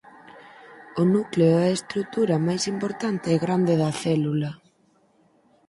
O núcleo é a estrutura máis importante e grande da célula.